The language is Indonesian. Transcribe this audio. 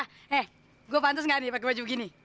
hei gue pantes gak nih pake baju begini